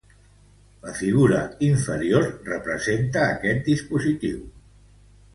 La figura inferior representa este dispositiu.